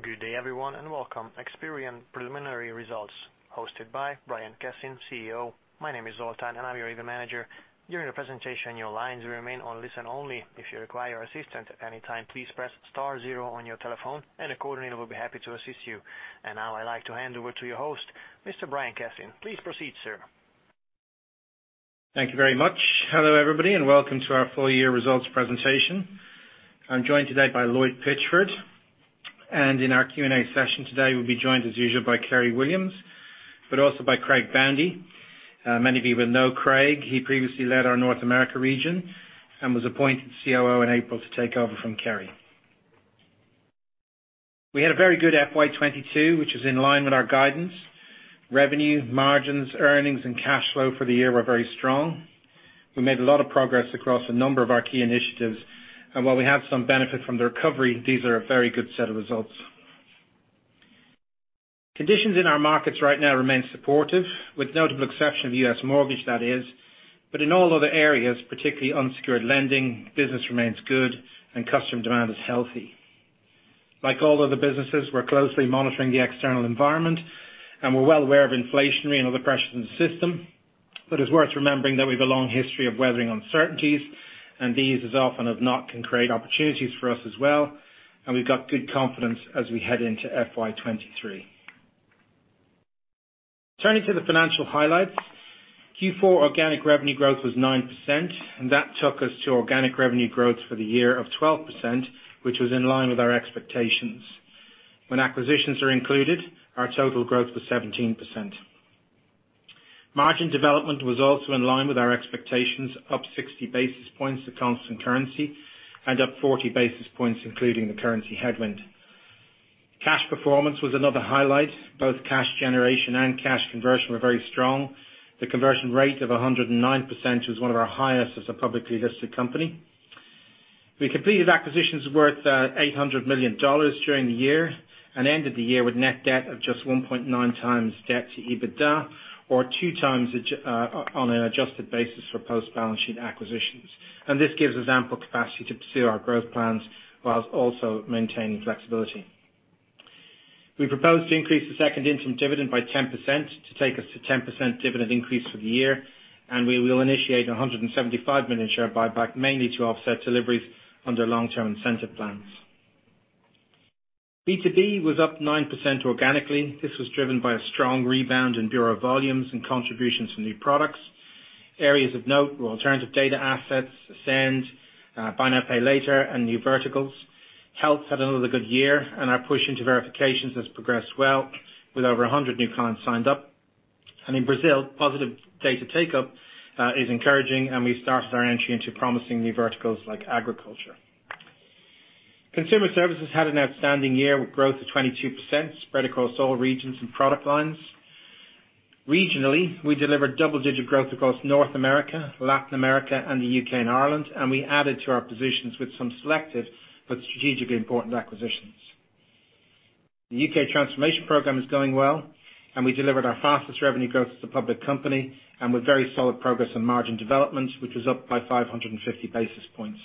Good day everyone, and welcome. Experian preliminary results, hosted by Brian Cassin, CEO. My name is Zoltan, and I'm your event manager. During the presentation, your lines remain on listen only. If you require assistance at any time, please press star zero on your telephone, and a coordinator will be happy to assist you. Now I'd like to hand over to your host, Mr. Brian Cassin. Please proceed, sir. Thank you very much. Hello, everybody, and welcome to our full year results presentation. I'm joined today by Lloyd Pitchford, and in our Q&A session today, we'll be joined as usual by Kerry Williams, but also by Craig Boundy. Many of you will know Craig. He previously led our North America region and was appointed COO in April to take over from Kerry. We had a very good FY 2022, which is in line with our guidance. Revenue, margins, earnings, and cash flow for the year were very strong. We made a lot of progress across a number of our key initiatives, and while we have some benefit from the recovery, these are a very good set of results. Conditions in our markets right now remain supportive, with notable exception of U.S. mortgage that is. In all other areas, particularly unsecured lending, business remains good and customer demand is healthy. Like all other businesses, we're closely monitoring the external environment, and we're well aware of inflationary and other pressures in the system. It's worth remembering that we have a long history of weathering uncertainties, and these, as often have not, can create opportunities for us as well. We've got good confidence as we head into FY 2023. Turning to the financial highlights. Q4 organic revenue growth was 9%, and that took us to organic revenue growth for the year of 12%, which was in line with our expectations. When acquisitions are included, our total growth was 17%. Margin development was also in line with our expectations, up 60 basis points to constant currency and up 40 basis points, including the currency headwind. Cash performance was another highlight. Both cash generation and cash conversion were very strong. The conversion rate of 109% was one of our highest as a publicly listed company. We completed acquisitions worth $800 million during the year and ended the year with net debt of just 1.9x debt to EBITDA or 2x on an adjusted basis for post-balance sheet acquisitions. This gives us ample capacity to pursue our growth plans while also maintaining flexibility. We propose to increase the second interim dividend by 10% to take us to 10% dividend increase for the year, and we will initiate a $175 million share buyback, mainly to offset deliveries under long-term incentive plans. B2B was up 9% organically. This was driven by a strong rebound in bureau volumes and contributions from new products. Areas of note were alternative data assets, Ascend, Buy Now Pay Later, and new verticals. Health had another good year, and our push into verifications has progressed well with over 100 new clients signed up. In Brazil, positive data uptake is encouraging, and we started our entry into promising new verticals like agriculture. Consumer Services had an outstanding year with growth of 22% spread across all regions and product lines. Regionally, we delivered double-digit growth across North America, Latin America, and the U.K. and Ireland, and we added to our positions with some selective but strategically important acquisitions. The U.K. transformation program is going well, and we delivered our fastest revenue growth as a public company and with very solid progress on margin development, which was up by 550 basis points.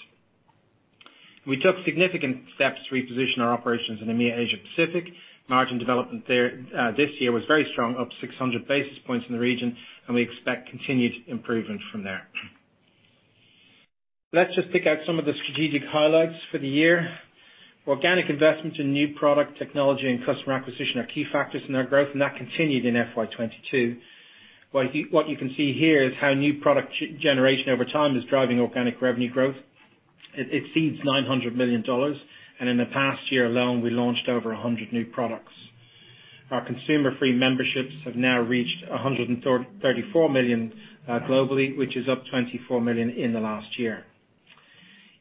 We took significant steps to reposition our operations in EMEA, Asia Pacific. Margin development there this year was very strong, up 600 basis points in the region, and we expect continued improvement from there. Let's just pick out some of the strategic highlights for the year. Organic investment in new product technology and customer acquisition are key factors in our growth, and that continued in FY 2022. What you can see here is how new product generation over time is driving organic revenue growth. It seeds $900 million, and in the past year alone, we launched over 100 new products. Our consumer free memberships have now reached 134 million globally, which is up 24 million in the last year.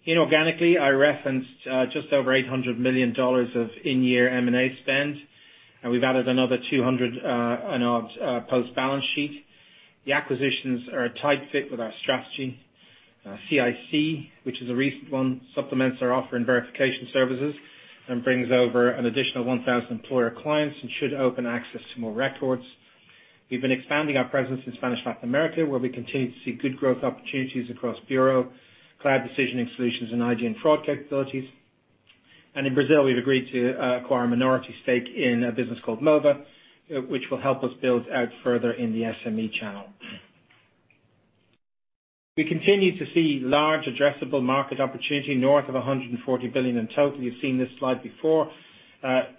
Inorganically, I referenced just over $800 million of in-year M&A spend, and we've added another $200 and odd post-balance sheet. The acquisitions are a tight fit with our strategy. CIC, which is a recent one, supplements our offer in verification services and brings over an additional 1,000 employer clients and should open access to more records. We've been expanding our presence in Spanish Latin America, where we continue to see good growth opportunities across bureau, cloud decisioning solutions, and ID and fraud capabilities. In Brazil, we've agreed to acquire a minority stake in a business called Mova, which will help us build out further in the SME channel. We continue to see large addressable market opportunity north of $140 billion in total. You've seen this slide before.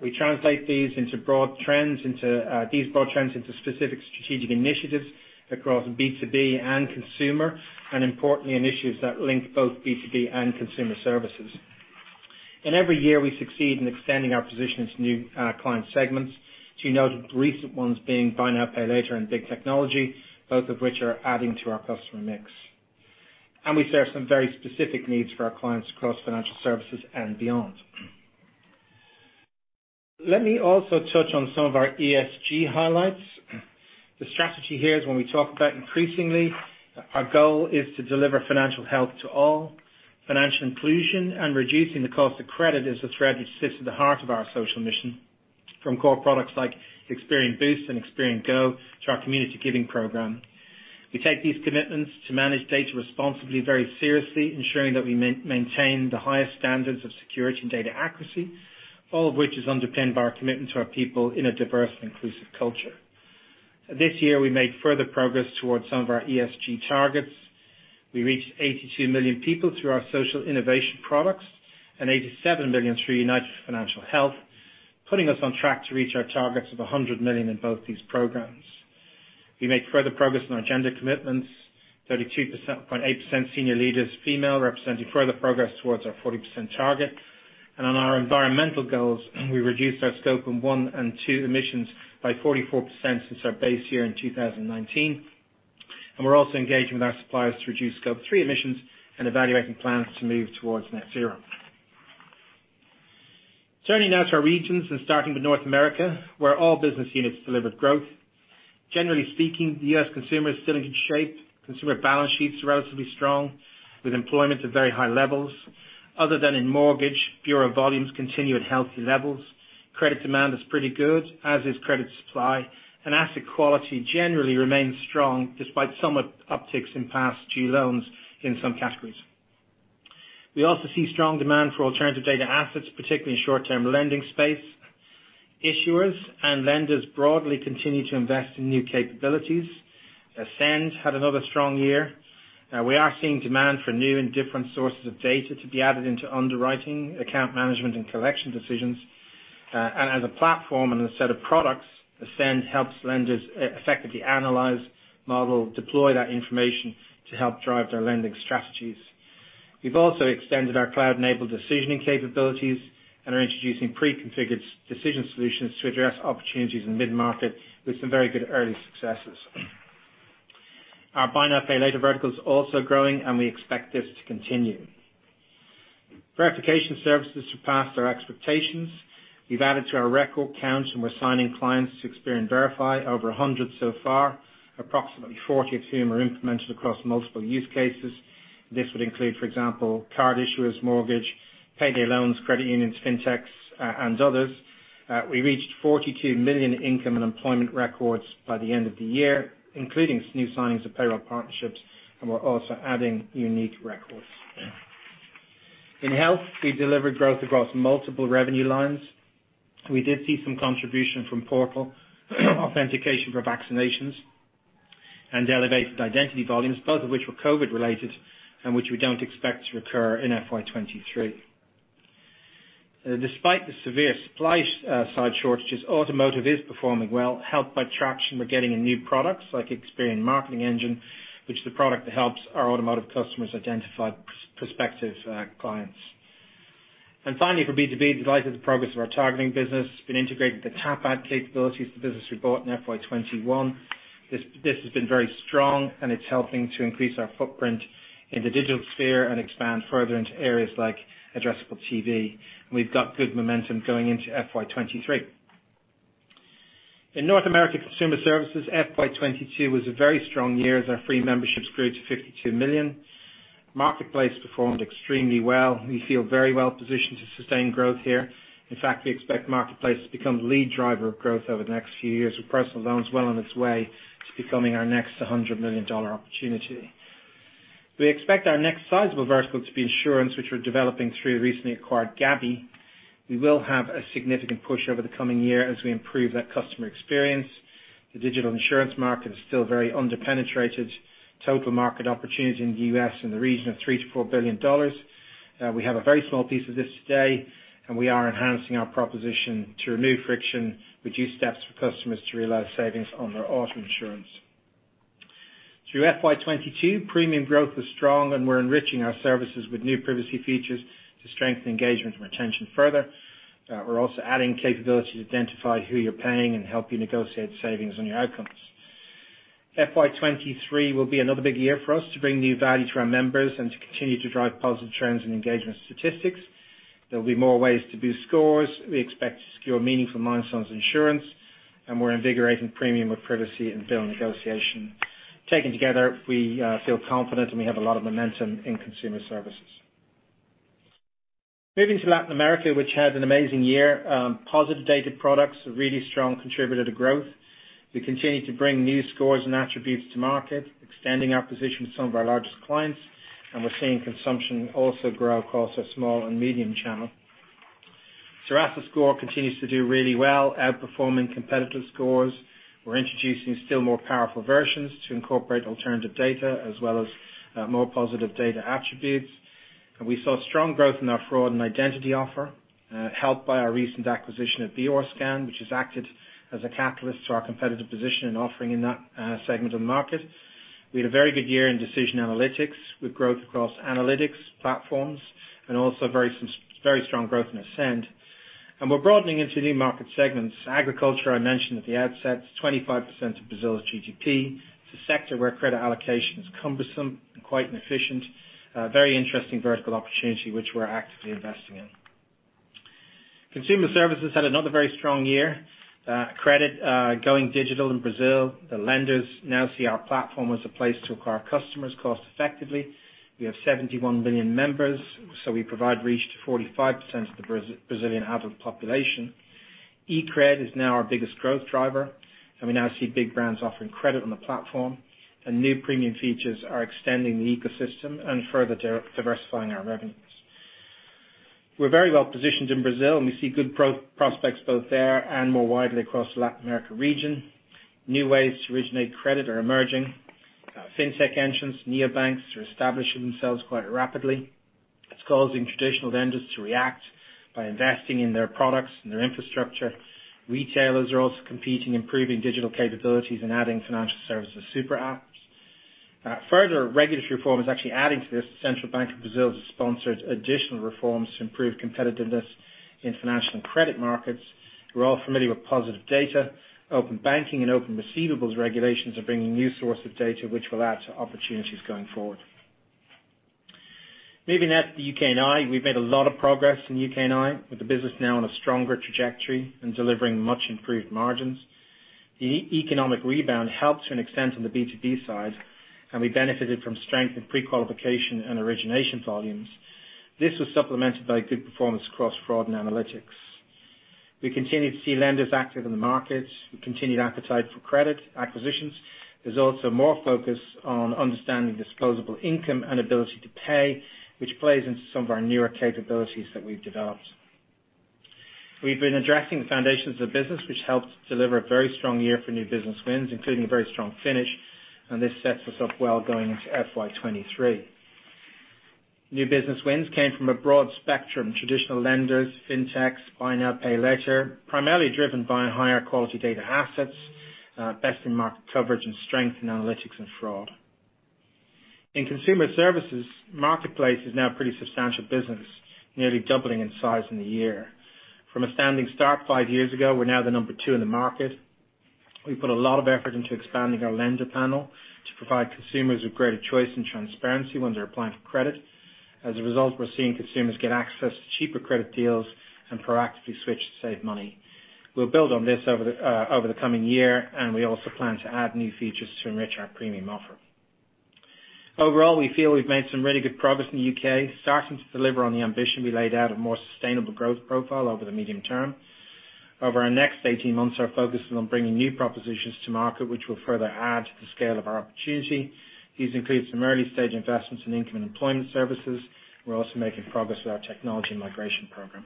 We translate these broad trends into specific strategic initiatives across B2B and Consumer, and importantly, in issues that link both B2B and Consumer Services. Every year, we succeed in extending our positions to new client segments. Two notable recent ones being Buy Now Pay Later and Big Technology, both of which are adding to our customer mix. We serve some very specific needs for our clients across financial services and beyond. Let me also touch on some of our ESG highlights. The strategy here is when we talk about increasingly, our goal is to deliver financial help to all. Financial inclusion and reducing the cost of credit is the thread which sits at the heart of our social mission. From core products like Experian Boost and Experian Go to our community giving program. We take these commitments to manage data responsibly very seriously, ensuring that we maintain the highest standards of security and data accuracy, all of which is underpinned by our commitment to our people in a diverse and inclusive culture. This year, we made further progress towards some of our ESG targets. We reached 82 million people through our social innovation products and 87 million through United for Financial Health, putting us on track to reach our targets of 100 million in both these programs. We made further progress on our gender commitments, 32.8% senior leaders female, representing further progress towards our 40% target. On our environmental goals, we reduced our Scope 1 and 2 emissions by 44% since our base year in 2019, and we're also engaging with our suppliers to reduce Scope 3 emissions and evaluating plans to move towards net zero. Turning now to our regions and starting with North America, where all business units delivered growth. Generally speaking, the U.S. consumer is still in good shape. Consumer balance sheets are relatively strong, with employment at very high levels. Other than in mortgage, bureau volumes continue at healthy levels. Credit demand is pretty good, as is credit supply, and asset quality generally remains strong despite some upticks in past due loans in some categories. We also see strong demand for alternative data assets, particularly in short-term lending space. Issuers and lenders broadly continue to invest in new capabilities. Ascend had another strong year. We are seeing demand for new and different sources of data to be added into underwriting, account management, and collection decisions. As a platform and a set of products, Ascend helps lenders effectively analyze, model, deploy that information to help drive their lending strategies. We've also extended our cloud-enabled decisioning capabilities and are introducing pre-configured decision solutions to address opportunities in mid-market with some very good early successes. Our Buy Now Pay Later vertical is also growing, and we expect this to continue. Verification services surpassed our expectations. We've added to our record count, and we're signing clients to Experian Verify, over 100 so far, approximately 40 of whom are implemented across multiple use cases. This would include, for example, card issuers, mortgage, payday loans, credit unions, FinTechs, and others. We reached 42 million income and employment records by the end of the year, including new signings of payroll partnerships, and we're also adding unique records. In Health, we delivered growth across multiple revenue lines. We did see some contribution from portal authentication for vaccinations and elevated identity volumes, both of which were COVID-related and which we don't expect to recur in FY 2023. Despite the severe supply-side shortages, automotive is performing well, helped by traction we're getting in new products like Experian Marketing Engine, which is the product that helps our automotive customers identify prospective clients. Finally, for B2B, delighted with the progress of our targeting business. Been integrating the Tapad capabilities to business we bought in FY 2021. This has been very strong, and it's helping to increase our footprint in the digital sphere and expand further into areas like addressable TV. We've got good momentum going into FY 2023. In North America Consumer Services, FY 2022 was a very strong year as our free memberships grew to 52 million. Marketplace performed extremely well. We feel very well positioned to sustain growth here. In fact, we expect Marketplace to become the lead driver of growth over the next few years, with personal loans well on its way to becoming our next $100 million opportunity. We expect our next sizable vertical to be insurance, which we're developing through recently acquired Gabi. We will have a significant push over the coming year as we improve that customer experience. The digital insurance market is still very underpenetrated. Total market opportunity in the U.S. in the region of $3 billion-$4 billion. We have a very small piece of this today, and we are enhancing our proposition to remove friction, reduce steps for customers to realize savings on their auto insurance. Through FY 2022, premium growth was strong, and we're enriching our services with new privacy features to strengthen engagement and retention further. We're also adding capability to identify who you're paying and help you negotiate savings on your outcomes. FY 2023 will be another big year for us to bring new value to our members and to continue to drive positive trends in engagement statistics. There'll be more ways to boost scores. We expect to secure meaningful milestones in insurance, and we're invigorating premium with privacy and bill negotiation. Taken together, we feel confident, and we have a lot of momentum in Consumer Services. Moving to Latin America, which had an amazing year. Positive data products, a really strong contributor to growth. We continue to bring new scores and attributes to market, extending our position with some of our largest clients, and we're seeing consumption also grow across our small and medium channel. Serasa Score continues to do really well, outperforming competitive scores. We're introducing still more powerful versions to incorporate alternative data as well as more positive data attributes. We saw strong growth in our fraud and identity offer, helped by our recent acquisition of BrScan, which has acted as a catalyst to our competitive position and offering in that segment of the market. We had a very good year in Decision Analytics with growth across analytics, platforms, and also very strong growth in Ascend. We're broadening into new market segments. Agriculture, I mentioned at the outset, is 25% of Brazil's GDP. It's a sector where credit allocation is cumbersome and quite inefficient. Very interesting vertical opportunity which we're actively investing in. Consumer Services had another very strong year. Credit going digital in Brazil, the lenders now see our platform as a place to acquire customers cost-effectively. We have 71 million members, so we provide reach to 45% of the Brazilian adult population. eCred is now our biggest growth driver, and we now see big brands offering credit on the platform, and new premium features are extending the ecosystem and further diversifying our revenues. We're very well positioned in Brazil, and we see good prospects both there and more widely across Latin America region. New ways to originate credit are emerging. FinTech entrants, neobanks are establishing themselves quite rapidly. It's causing traditional vendors to react by investing in their products and their infrastructure. Retailers are also competing, improving digital capabilities and adding financial services super apps. Further regulatory reform is actually adding to this. Central Bank of Brazil has sponsored additional reforms to improve competitiveness in financial and credit markets. We're all familiar with positive data. Open banking and open receivables regulations are bringing new sources of data which will add to opportunities going forward. Moving now to the U.K. and Ireland. We've made a lot of progress in the U.K. and Ireland, with the business now on a stronger trajectory and delivering much-improved margins. The economic rebound helped to an extent on the B2B side, and we benefited from strength in pre-qualification and origination volumes. This was supplemented by good performance across fraud and analytics. We continue to see lenders active in the markets with continued appetite for credit acquisitions. There's also more focus on understanding disposable income and ability to pay, which plays into some of our newer capabilities that we've developed. We've been addressing the foundations of the business, which helped deliver a very strong year for new business wins, including a very strong finish, and this sets us up well going into FY 2023. New business wins came from a broad spectrum, traditional lenders, FinTechs, Buy Now Pay Later, primarily driven by higher quality data assets, best in market coverage and strength in analytics and fraud. In Consumer Services, marketplace is now a pretty substantial business, nearly doubling in size in a year. From a standing start five years ago, we're now the number two in the market. We put a lot of effort into expanding our lender panel to provide consumers with greater choice and transparency when they're applying for credit. As a result, we're seeing consumers get access to cheaper credit deals and proactively switch to save money. We'll build on this over the coming year, and we also plan to add new features to enrich our premium offer. Overall, we feel we've made some really good progress in the U.K., starting to deliver on the ambition we laid out a more sustainable growth profile over the medium term. Over our next 18 months, our focus is on bringing new propositions to market, which will further add to the scale of our opportunity. These include some early-stage investments in income and employment services. We're also making progress with our technology and migration program.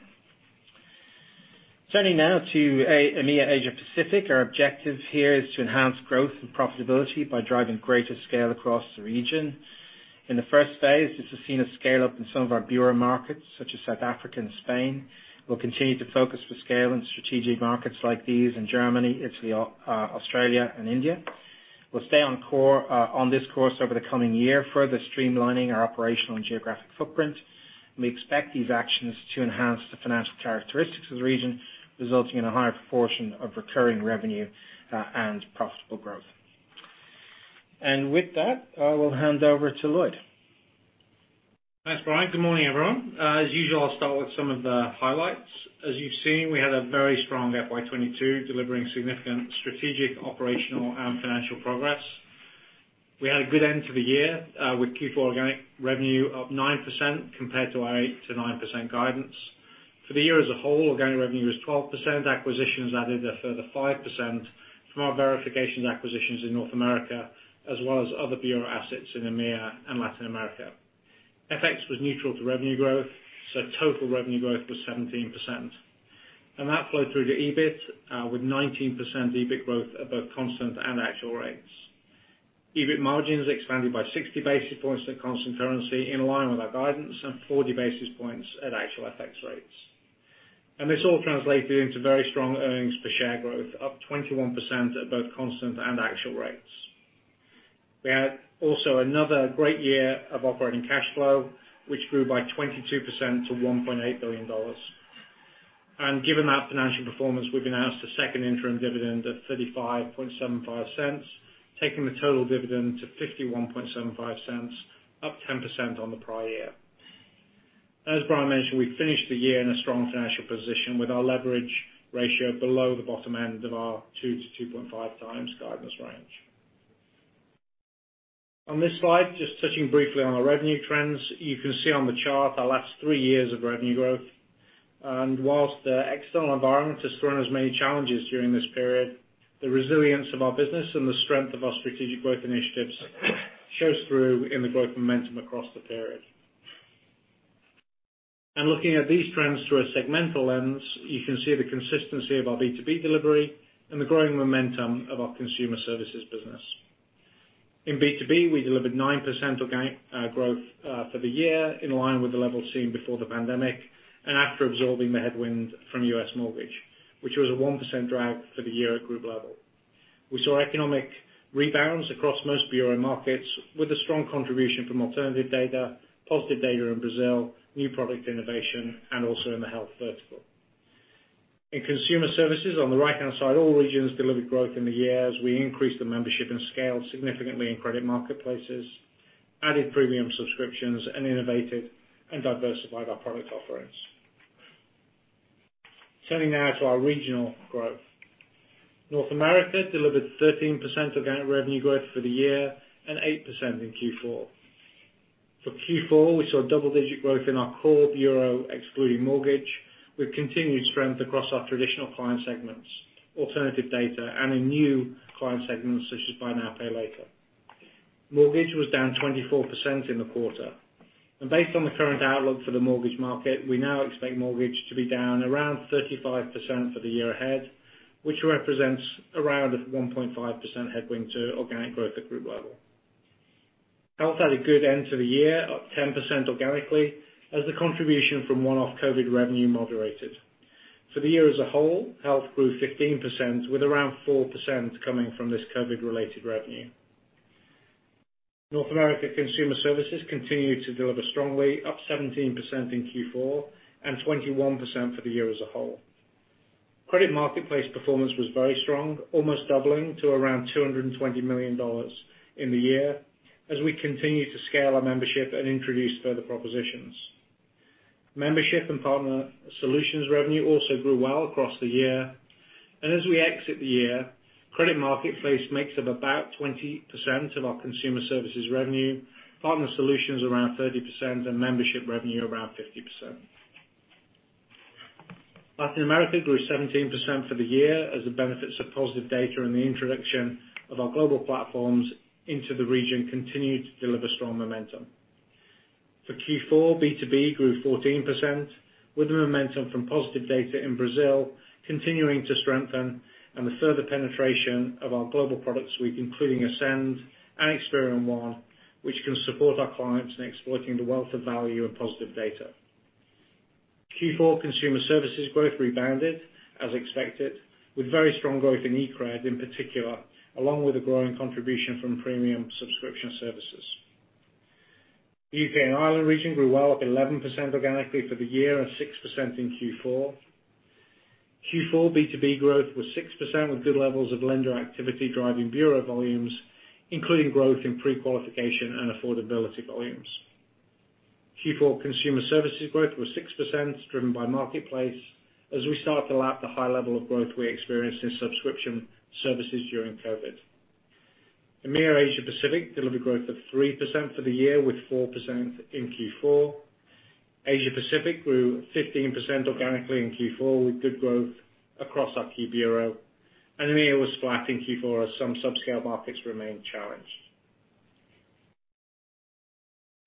Turning now to EMEA, Asia Pacific. Our objective here is to enhance growth and profitability by driving greater scale across the region. In the first phase, this has seen us scale up in some of our bureau markets, such as South Africa and Spain. We'll continue to focus on scale in strategic markets like these in Germany, Italy, Australia, and India. We'll stay on this course over the coming year, further streamlining our operational and geographic footprint. We expect these actions to enhance the financial characteristics of the region, resulting in a higher proportion of recurring revenue and profitable growth. With that, I will hand over to Lloyd. Thanks, Brian. Good morning, everyone. As usual, I'll start with some of the highlights. As you've seen, we had a very strong FY 2022 delivering significant strategic, operational, and financial progress. We had a good end to the year, with Q4 organic revenue up 9% compared to our 8%-9% guidance. For the year as a whole, organic revenue was 12%. Acquisitions added a further 5% from our verifications acquisitions in North America, as well as other bureau assets in EMEA and Latin America. FX was neutral to revenue growth, so total revenue growth was 17%. That flowed through to EBIT, with 19% EBIT growth at both constant and actual rates. EBIT margins expanded by 60 basis points at constant currency in line with our guidance and 40 basis points at actual FX rates. This all translated into very strong earnings per share growth, up 21% at both constant and actual rates. We had also another great year of operating cash flow, which grew by 22% to $1.8 billion. Given that financial performance, we've announced a second interim dividend of $35.75, taking the total dividend to $51.75, up 10% on the prior year. As Brian mentioned, we finished the year in a strong financial position with our leverage ratio below the bottom end of our 2X-2.5x guidance range. On this slide, just touching briefly on our revenue trends. You can see on the chart our last three years of revenue growth. While the external environment has thrown us many challenges during this period, the resilience of our business and the strength of our strategic growth initiatives shows through in the growth momentum across the period. Looking at these trends through a segmental lens, you can see the consistency of our B2B delivery and the growing momentum of our Consumer Services business. In B2B, we delivered 9% organic growth for the year, in line with the level seen before the pandemic and after absorbing the headwind from U.S. Mortgage, which was a 1% drag for the year at group level. We saw economic rebalance across most bureau markets with a strong contribution from alternative data, positive data in Brazil, new product innovation, and also in the Health vertical. In Consumer Services, on the right-hand side, all regions delivered growth in the year as we increased the membership and scale significantly in Credit Marketplaces. Added premium subscriptions and innovated and diversified our product offerings. Turning now to our regional growth. North America delivered 13% organic revenue growth for the year and 8% in Q4. For Q4, we saw double-digit growth in our core bureau, excluding Mortgage, with continued strength across our traditional client segments, alternative data, and in new client segments such as Buy Now Pay Later. Mortgage was down 24% in the quarter. Based on the current outlook for the mortgage market, we now expect mortgage to be down around 35% for the year ahead, which represents around a 1.5% headwind to organic growth at group level. Health had a good end to the year, up 10% organically as the contribution from one-off COVID revenue moderated. For the year as a whole, Health grew 15%, with around 4% coming from this COVID-related revenue. North America Consumer Services continued to deliver strongly, up 17% in Q4 and 21% for the year as a whole. Credit Marketplace performance was very strong, almost doubling to around $220 million in the year as we continue to scale our membership and introduce further propositions. Membership and partner solutions revenue also grew well across the year. As we exit the year, Credit Marketplace makes up about 20% of our Consumer Services revenue, partner solutions around 30%, and membership revenue around 50%. Latin America grew 17% for the year as the benefits of positive data and the introduction of our global platforms into the region continued to deliver strong momentum. For Q4, B2B grew 14% with the momentum from positive data in Brazil continuing to strengthen and the further penetration of our global products suite, including Ascend and Experian One, which can support our clients in exploiting the wealth of value and positive data. Q4 Consumer Services growth rebounded as expected, with very strong growth in eCred in particular, along with a growing contribution from premium subscription services. The U.K. and Ireland region grew well at 11% organically for the year and 6% in Q4. Q4 B2B growth was 6% with good levels of lender activity driving bureau volumes, including growth in pre-qualification and affordability volumes. Q4 Consumer Services growth was 6% driven by marketplace as we start to lap the high level of growth we experienced in subscription services during COVID. EMEA Asia Pacific delivered growth of 3% for the year with 4% in Q4. Asia Pacific grew 15% organically in Q4 with good growth across our key bureau. EMEA was flat in Q4 as some subscale markets remained challenged.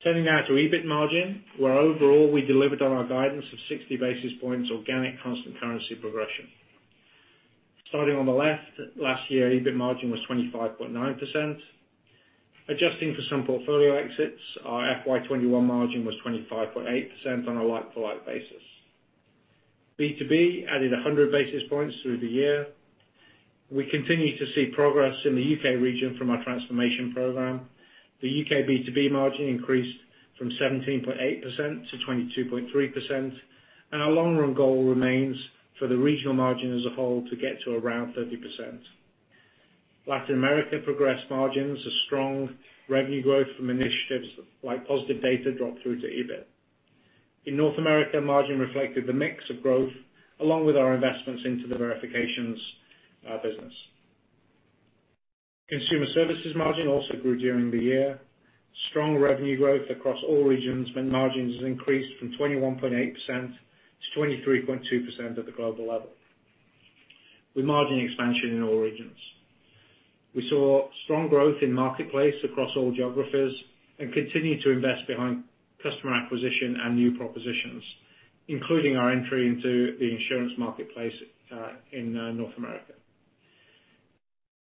Turning now to EBIT margin, where overall we delivered on our guidance of 60 basis points organic constant currency progression. Starting on the left, last year EBIT margin was 25.9%. Adjusting for some portfolio exits, our FY 2021 margin was 25.8% on a like-for-like basis. B2B added 100 basis points through the year. We continue to see progress in the U.K. region from our transformation program. The U.K. B2B margin increased from 17.8%-22.3%, and our long-run goal remains for the regional margin as a whole to get to around 30%. Latin America progressed margins as strong revenue growth from initiatives like positive data dropped through to EBIT. In North America, margin reflected the mix of growth along with our investments into the verifications business. Consumer Services margin also grew during the year. Strong revenue growth across all regions meant margins increased from 21.8%-23.2% at the global level, with margin expansion in all regions. We saw strong growth in marketplace across all geographies and continued to invest behind customer acquisition and new propositions, including our entry into the insurance marketplace in North America.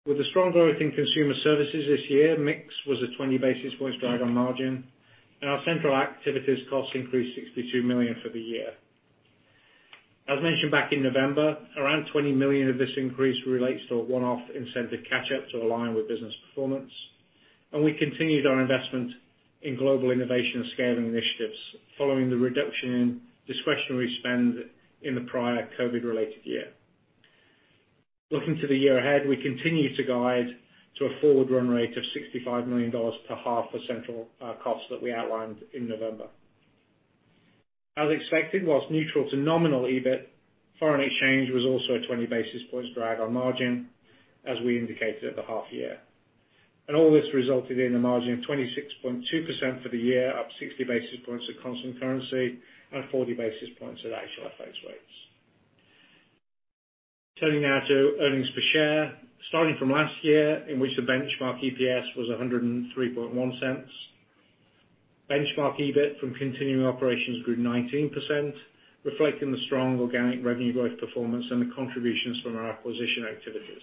With the strong growth in Consumer Services this year, mix was a 20 basis points drag on margin, and our central activities costs increased $62 million for the year. As mentioned back in November, around $20 million of this increase relates to a one-off incentive catch-up to align with business performance, and we continued our investment in global innovation and scaling initiatives following the reduction in discretionary spend in the prior COVID-related year. Looking to the year ahead, we continue to guide to a forward run rate of $65 million to half the central costs that we outlined in November. As expected, while neutral to nominal EBIT, foreign exchange was also a 20 basis points drag on margin, as we indicated at the half year. All this resulted in a margin of 26.2% for the year, up 60 basis points at constant currency and 40 basis points at actual FX rates. Turning now to earnings per share, starting from last year in which the benchmark EPS was $103.1. Benchmark EBIT from continuing operations grew 19%, reflecting the strong organic revenue growth performance and the contributions from our acquisition activities.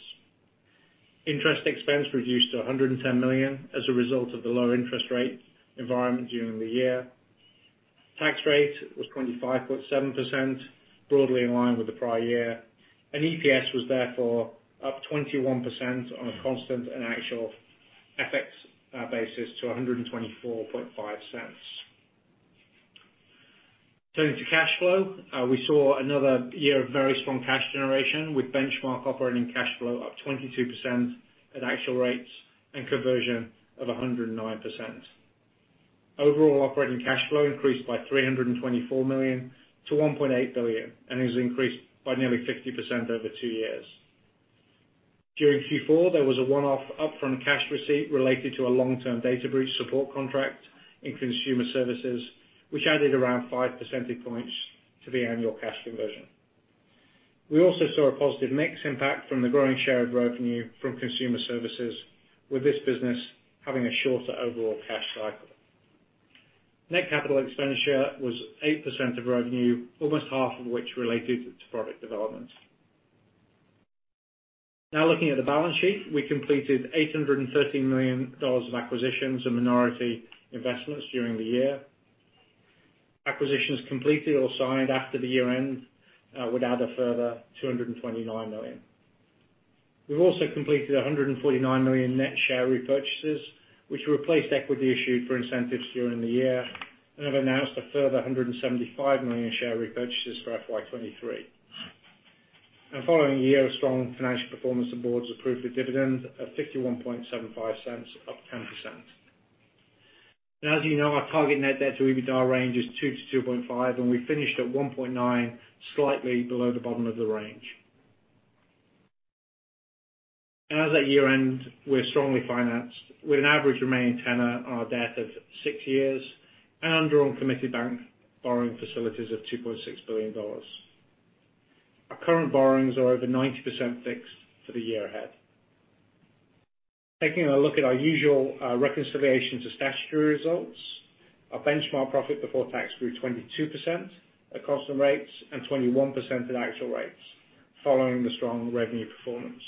Interest expense reduced to $110 million as a result of the lower interest rate environment during the year. Tax rate was 25.7%, broadly in line with the prior year, and EPS was therefore up 21% on a constant and actual FX basis to $124.5. Turning to cash flow, we saw another year of very strong cash generation, with benchmark operating cash flow up 22% at actual rates and conversion of 109%. Overall operating cash flow increased by $324 million to $1.8 billion, and has increased by nearly 50% over two years. During Q4, there was a one-off upfront cash receipt related to a long-term data breach support contract in Consumer Services, which added around five percentage points to the annual cash conversion. We also saw a positive mix impact from the growing share of revenue from Consumer Services, with this business having a shorter overall cash cycle. Net capital expenditure was 8% of revenue, almost half of which related to product development. Now looking at the balance sheet. We completed $813 million of acquisitions and minority investments during the year. Acquisitions completed or signed after the year end would add a further $229 million. We've also completed $149 million net share repurchases, which replaced equity issued for incentives during the year, and have announced a further $175 million share repurchases for FY 2023. Following a year of strong financial performance, the boards approved a dividend of $51.75, up 10%. Now as you know, our target net debt to EBITDA range is 2x-2.5x, and we finished at 1.9x, slightly below the bottom of the range. As at year-end, we're strongly financed with an average remaining tenor on our debt of six years and undrawn committed bank borrowing facilities of $2.6 billion. Our current borrowings are over 90% fixed for the year ahead. Taking a look at our usual reconciliation to statutory results, our benchmark profit before tax grew 22% at constant rates and 21% at actual rates following the strong revenue performance.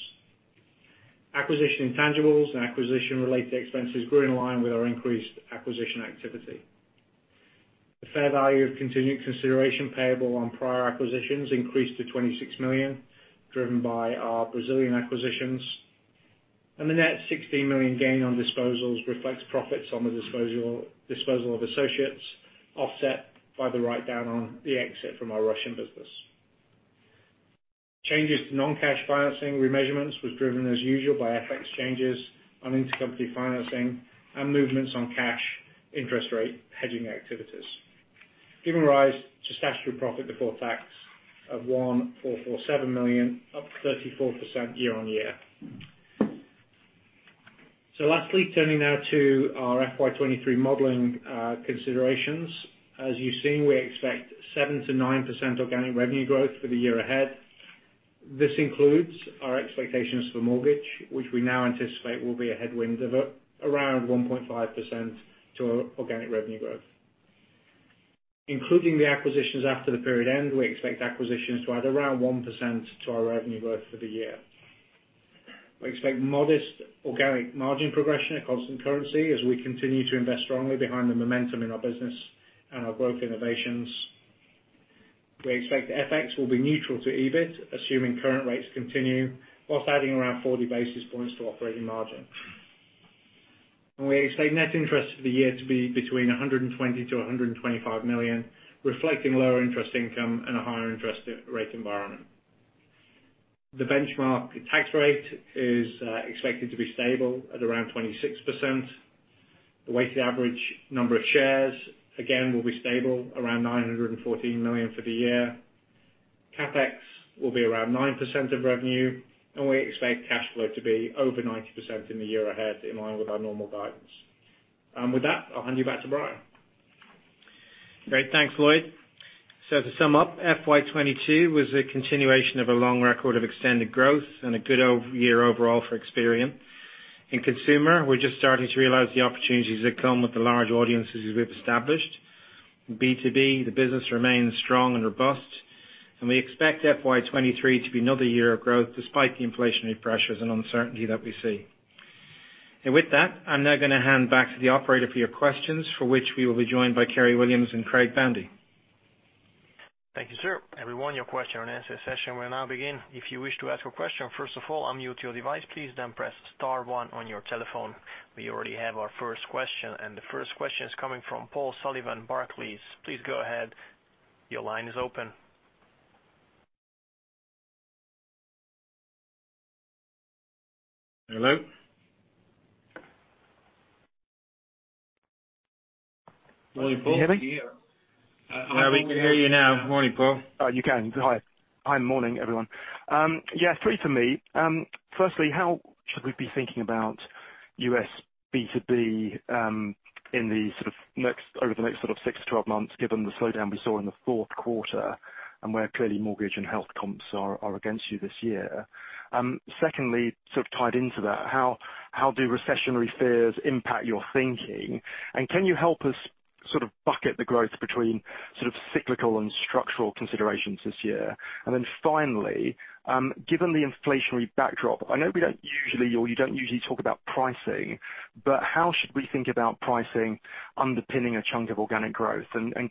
Acquisition intangibles and acquisition-related expenses grew in line with our increased acquisition activity. The fair value of continued consideration payable on prior acquisitions increased to $26 million, driven by our Brazilian acquisitions. The net $16 million gain on disposals reflects profits on the disposal of associates, offset by the write down on the exit from our Russian business. Changes to non-cash financing remeasurements was driven as usual by FX changes on intercompany financing and movements on cash interest rate hedging activities, giving rise to statutory profit before tax of $1.447 million, up 34% year-on-year. Lastly, turning now to our FY 2023 modeling, considerations. As you've seen, we expect 7%-9% organic revenue growth for the year ahead. This includes our expectations for Mortgage, which we now anticipate will be a headwind of around 1.5% to our organic revenue growth. Including the acquisitions after the period end, we expect acquisitions to add around 1% to our revenue growth for the year. We expect modest organic margin progression at constant currency as we continue to invest strongly behind the momentum in our business and our growth innovations. We expect FX will be neutral to EBIT, assuming current rates continue, while adding around 40 basis points to operating margin. We expect net interest for the year to be between $120 million-$125 million, reflecting lower interest income and a higher interest rate environment. The benchmark tax rate is expected to be stable at around 26%. The weighted average number of shares, again will be stable around 914 million for the year. CapEx will be around 9% of revenue, and we expect cash flow to be over 90% in the year ahead, in line with our normal guidance. With that, I'll hand you back to Brian. Great. Thanks, Lloyd. To sum up, FY 2022 was a continuation of a long record of extended growth and a good over-year overall for Experian. In Consumer, we're just starting to realize the opportunities that come with the large audiences we've established. In B2B, the business remains strong and robust, and we expect FY 2023 to be another year of growth despite the inflationary pressures and uncertainty that we see. With that, I'm now gonna hand back to the operator for your questions for which we will be joined by Kerry Williams and Craig Boundy. Thank you, sir. Everyone, your Q&A session will now begin. If you wish to ask a question, first of all, unmute your device, please, then press star one on your telephone. We already have our first question, and the first question is coming from Paul Sullivan, Barclays. Please go ahead. Your line is open. Hello? Can you hear me? We can hear you now. Morning, Paul. Oh, you can. Hi. Hi, morning, everyone. Yeah, three from me. Firstly, how should we be thinking about U.S. B2B in the sort of next, over the next sort six months-12 months, given the slowdown we saw in the fourth quarter, and where clearly Mortgage and Health comps are against you this year? Secondly, sort of tied into that, how do recessionary fears impact your thinking? Can you help us sort of bucket the growth between sort of cyclical and structural considerations this year? Finally, given the inflationary backdrop, I know we don't usually, or you don't usually talk about pricing, but how should we think about pricing underpinning a chunk of organic growth?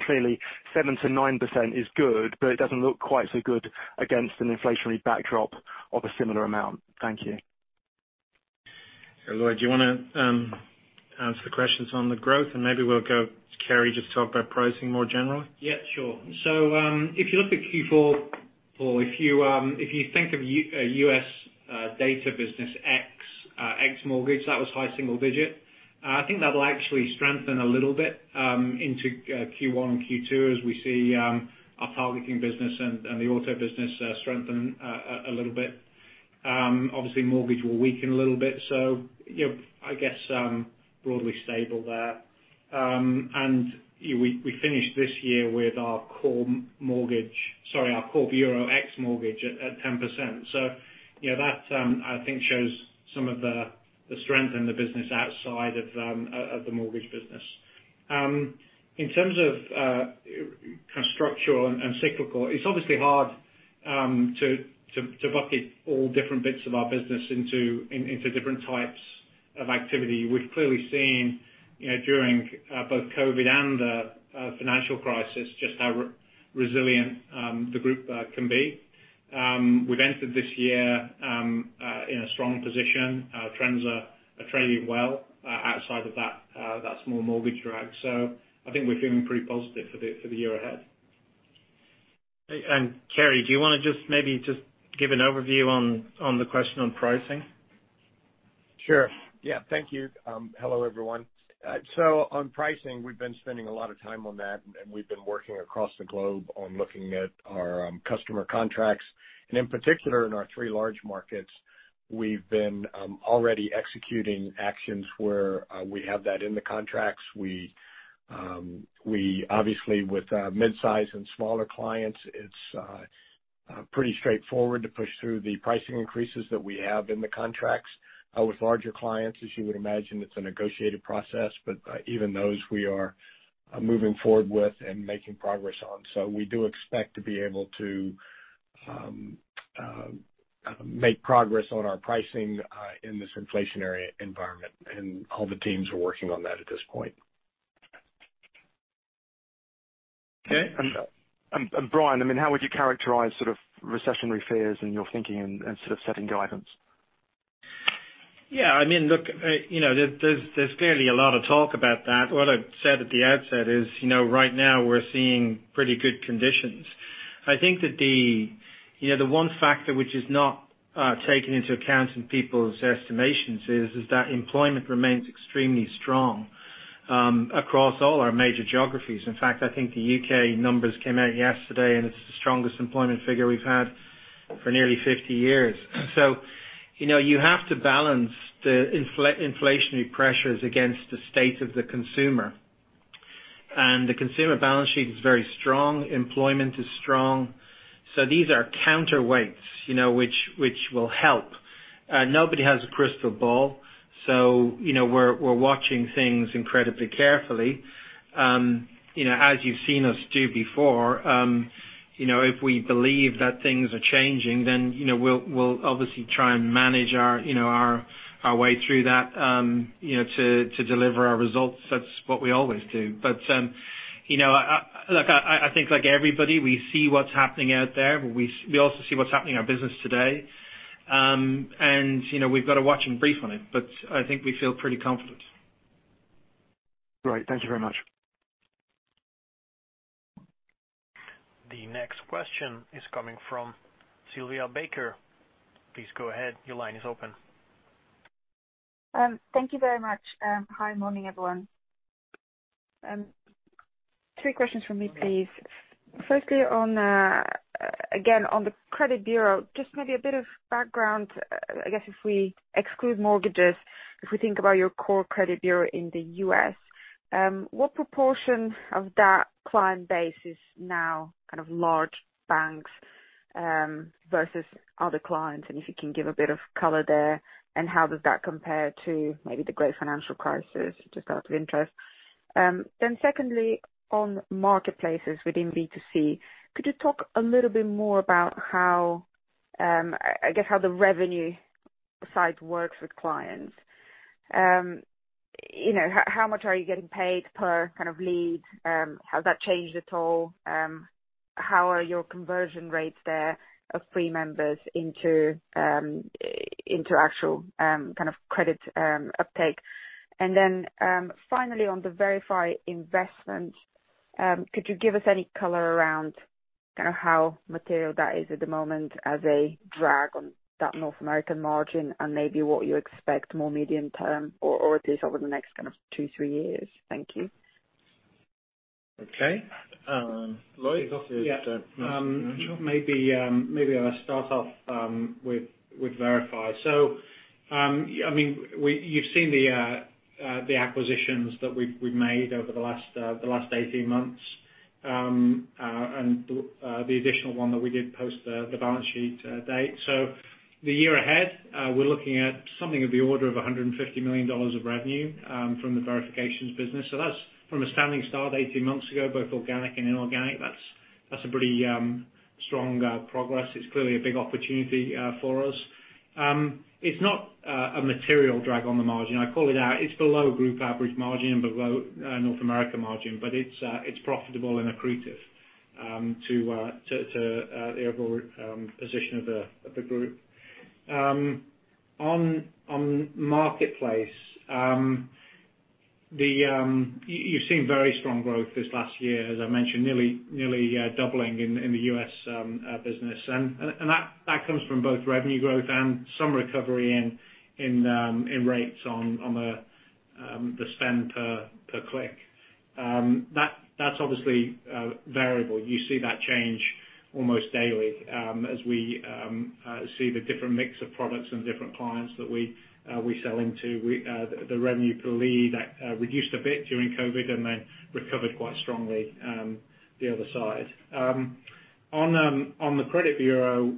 Clearly 7%-9% is good, but it doesn't look quite so good against an inflationary backdrop of a similar amount. Thank you. Lloyd, do you wanna answer the questions on the growth, and maybe we'll go to Kerry just talk about pricing more generally? Yeah, sure. If you look at Q4, or if you think of U.S. data business ex mortgage, that was high single digit. I think that'll actually strengthen a little bit into Q1 and Q2 as we see our targeting business and the auto business strengthen a little bit. Obviously Mortgage will weaken a little bit, so you know, I guess broadly stable there. We finished this year with our core bureau ex mortgage at 10%. You know, that I think shows some of the strength in the business outside of the Mortgage business. In terms of kind of structural and cyclical, it's obviously hard to bucket all different bits of our business into different types of activity. We've clearly seen, you know, during both COVID and the financial crisis, just how resilient the group can be. We've entered this year in a strong position. Our trends are trading well outside of that small Mortgage drag. I think we're feeling pretty positive for the year ahead. Kerry, do you wanna just maybe just give an overview on the question on pricing? Sure. Yeah. Thank you. Hello, everyone. On pricing, we've been spending a lot of time on that, and we've been working across the globe on looking at our customer contracts. In particular, in our three large markets, we've been already executing actions where we have that in the contracts. We obviously with midsize and smaller clients, it's pretty straightforward to push through the pricing increases that we have in the contracts. With larger clients, as you would imagine, it's a negotiated process, but even those we are moving forward with and making progress on. We do expect to be able to make progress on our pricing in this inflationary environment. All the teams are working on that at this point. Okay. Brian, I mean, how would you characterize sort of recessionary fears in your thinking and sort of setting guidance? Yeah, I mean, look, you know, there's clearly a lot of talk about that. What I've said at the outset is, you know, right now we're seeing pretty good conditions. I think that the, you know, the one factor which is not taken into account in people's estimations is that employment remains extremely strong across all our major geographies. In fact, I think the U.K. numbers came out yesterday, and it's the strongest employment figure we've had for nearly 50 years. You know, you have to balance the inflationary pressures against the state of the consumer. The Consumer balance sheet is very strong. Employment is strong. These are counterweights, you know, which will help. Nobody has a crystal ball, so, you know, we're watching things incredibly carefully. You know, as you've seen us do before, you know, if we believe that things are changing, then you know, we'll obviously try and manage our way through that, you know, to deliver our results. That's what we always do. Look, I think like everybody, we see what's happening out there. We also see what's happening in our business today. You know, we've got to watch and brief on it, but I think we feel pretty confident. Great. Thank you very much. The next question is coming from Sylvia Barker. Please go ahead. Your line is open. Thank you very much. Hi, morning, everyone. Three questions from me, please. Firstly, on again, on the credit bureau, just maybe a bit of background. I guess if we exclude mortgages, if we think about your core credit bureau in the U.S., what proportion of that client base is now kind of large banks, versus other clients? If you can give a bit of color there. How does that compare to maybe the great financial crisis? Just out of interest. Secondly, on marketplaces within B2C, could you talk a little bit more about how, I guess, how the revenue side works with clients? You know, how much are you getting paid per kind of lead? Has that changed at all? How are your conversion rates there of free members into actual kind of credit uptake? Finally, on the Verify investment, could you give us any color around kinda how material that is at the moment as a drag on that North American margin and maybe what you expect more medium term or at least over the next kind of two, three years? Thank you. Okay. Lloyd? Maybe I'll start off with Verify. I mean, you've seen the acquisitions that we've made over the last 18 months, and the additional one that we did post the balance sheet date. The year ahead, we're looking at something of the order of $150 million of revenue from the Verifications business. That's from a standing start 18 months ago, both organic and inorganic. That's a pretty strong progress. It's clearly a big opportunity for us. It's not a material drag on the margin. I call it out. It's below group average margin and below North America margin, but it's profitable and accretive to the overall position of the group. On marketplace, you've seen very strong growth this last year, as I mentioned, nearly doubling in the U.S. business. That comes from both revenue growth and some recovery in rates on the spend per click. That's obviously variable. You see that change almost daily, as we see the different mix of products and different clients that we sell into. The revenue per lead reduced a bit during COVID and then recovered quite strongly, the other side. On the credit bureau,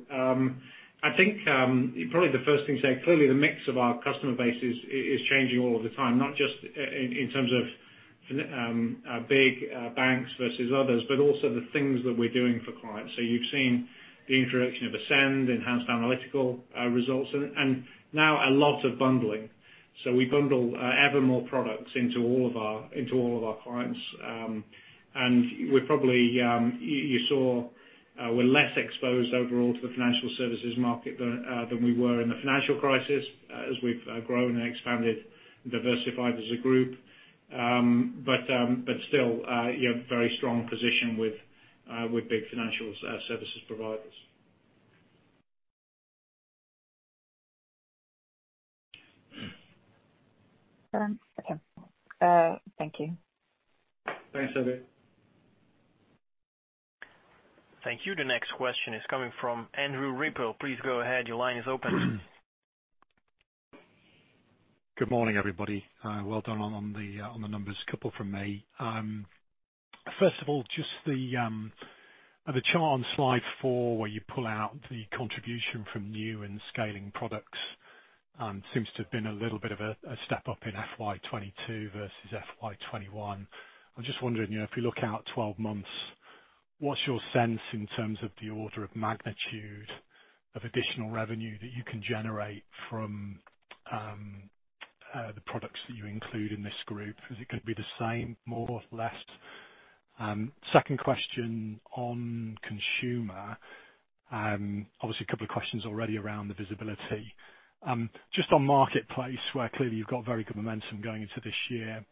I think probably the first thing to say, clearly the mix of our customer base is changing all of the time, not just in terms of big banks versus others, but also the things that we're doing for clients. You've seen the introduction of Ascend, enhanced analytical results, and now a lot of bundling. We bundle ever more products into all of our clients. You saw we're less exposed overall to the financial services market than we were in the financial crisis as we've grown and expanded and diversified as a group. But still, you have very strong position with big financial services providers. Okay. Thank you. Thanks, Sylvia. Thank you. The next question is coming from Andrew Ripper. Please go ahead. Your line is open. Good morning, everybody. Well done on the numbers. A couple from me. First of all, just the chart on slide four, where you pull out the contribution from new and scaling products, seems to have been a little bit of a step up in FY 2022 versus FY 2021. I'm just wondering, you know, if you look out 12 months, what's your sense in terms of the order of magnitude of additional revenue that you can generate from the products that you include in this group? Is it gonna be the same, more, less? Second question on Consumer. Obviously a couple of questions already around the visibility. Just on Marketplace, where clearly you've got very good momentum going into this year,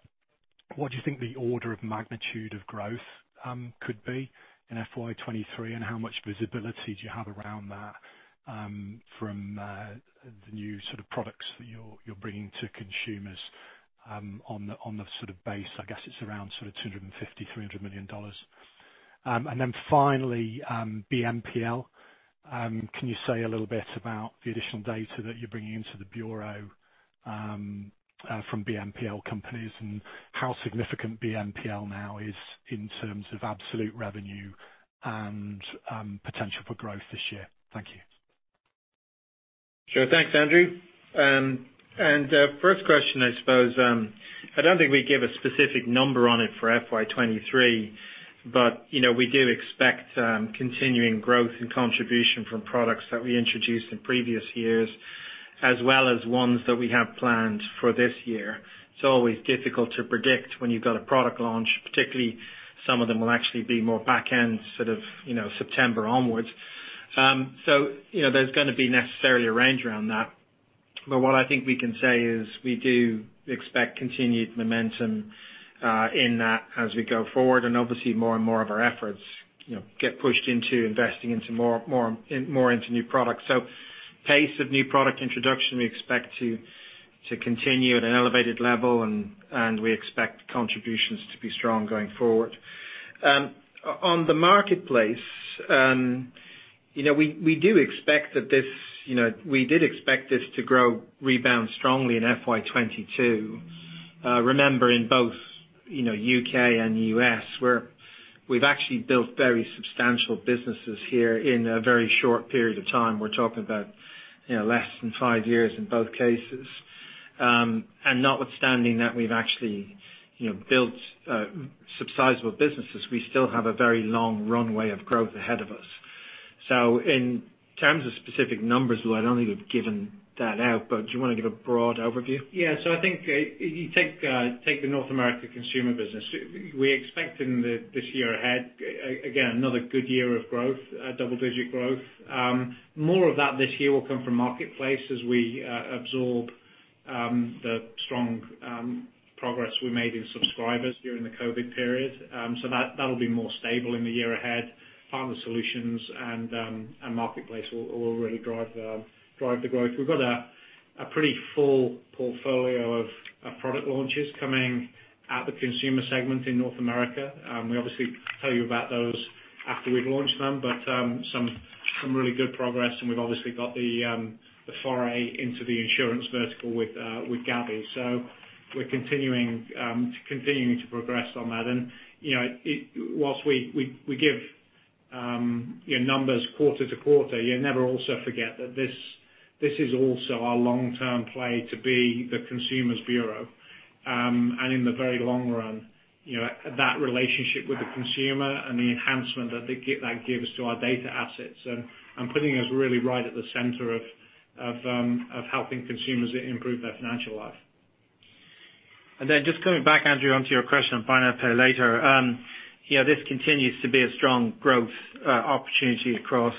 what do you think the order of magnitude of growth could be in FY 2023, and how much visibility do you have around that from the new sort of products that you're bringing to consumers on the sort of base? I guess it's around sort of $250 million-$300 million. Finally, BNPL. Can you say a little bit about the additional data that you're bringing into the bureau from BNPL companies and how significant BNPL now is in terms of absolute revenue and potential for growth this year? Thank you. Sure. Thanks, Andrew. First question, I suppose, I don't think we give a specific number on it for FY 2023, but, you know, we do expect continuing growth and contribution from products that we introduced in previous years, as well as ones that we have planned for this year. It's always difficult to predict when you've got a product launch, particularly some of them will actually be more back-end, sort of, you know, September onwards. You know, there's gonna be necessarily a range around that. What I think we can say is we do expect continued momentum in that as we go forward, and obviously more and more of our efforts, you know, get pushed into investing more into new products. Pace of new product introduction, we expect to continue at an elevated level, and we expect contributions to be strong going forward. On the Marketplace, you know, we do expect that this, you know, we did expect this to grow, rebound strongly in FY 2022. Remember in both, you know, U.K. and U.S., we have actually built very substantial businesses here in a very short period of time. We are talking about, you know, less than five years in both cases. And notwithstanding that we have actually, you know, built sizable businesses, we still have a very long runway of growth ahead of us. In terms of specific numbers, well, I do not think we have given that out, but do you want to give a broad overview? Yeah. I think you take the North America Consumer business. We're expecting the year ahead, another good year of growth, double-digit growth. More of that this year will come from Marketplace as we absorb the strong progress we made in subscribers during the COVID period. That'll be more stable in the year ahead. Partner Solutions and Marketplace will really drive the growth. We've got a pretty full portfolio of product launches coming out of the Consumer segment in North America. We obviously tell you about those after we've launched them, but some really good progress, and we've obviously got the foray into the insurance vertical with Gabi. We're continuing to progress on that. You know, it, while we give, you know, numbers quarter-to-quarter, you never also forget that this is also our long-term play to be the consumer's bureau. In the very long run, you know, that relationship with the consumer and the enhancement that gives to our data assets and putting us really right at the center of helping consumers improve their financial life. Just coming back, Andrew, onto your question on Buy Now Pay Later. You know, this continues to be a strong growth opportunity across,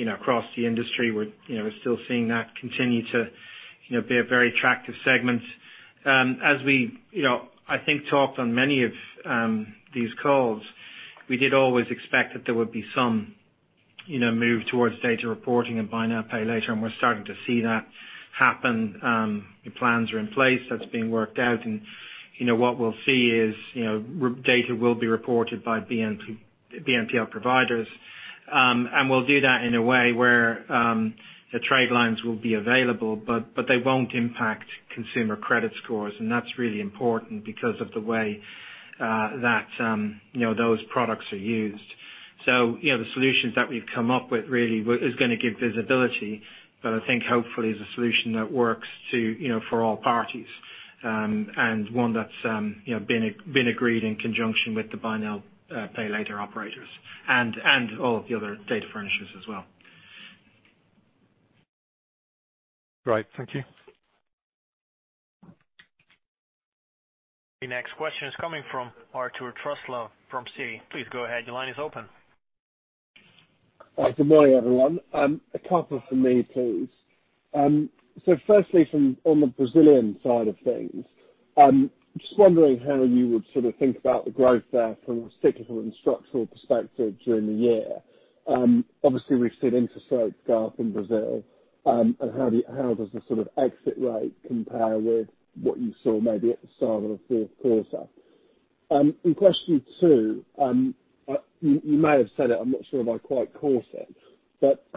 you know, across the industry. We're, you know, still seeing that continue to, you know, be a very attractive segment. As we, you know, I think talked on many of these calls, we did always expect that there would be some, you know, move towards data reporting and Buy Now Pay Later, and we're starting to see that happen. The plans are in place. That's being worked out. You know, what we'll see is, you know, data will be reported by BNPL providers. We'll do that in a way where the trade lines will be available, but they won't impact consumer credit scores, and that's really important because of the way that, you know, those products are used. You know, the solutions that we've come up with really is gonna give visibility, but I think hopefully is a solution that works to, you know, for all parties, and one that's, you know, been agreed in conjunction with the Buy Now Pay Later operators and all of the other data furnishers as well. Great. Thank you. The next question is coming from Arthur Truslove from Citi. Please go ahead. Your line is open. Hi, good morning, everyone. A couple from me, please. Firstly, on the Brazilian side of things, just wondering how you would sort of think about the growth there from a cyclical and structural perspective during the year. Obviously we've seen interest rates go up in Brazil, and how does the sort of exit rate compare with what you saw maybe at the start of the fourth quarter? Question two, you may have said it, I'm not sure if I quite caught it.